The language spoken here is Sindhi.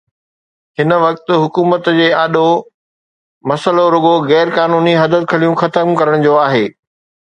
هن وقت حڪومت آڏو مسئلو رڳو غير قانوني حددخليون ختم ڪرڻ جو آهي.